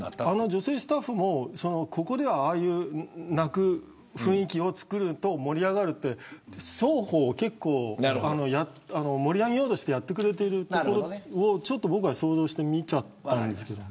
女性スタッフもここではああいう泣く雰囲気をつくると盛り上がると双方が盛り上げようとやってくれているところを僕は想像して見たんです。